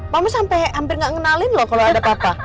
mama sampai hampir gak ngenalin loh kalau ada papa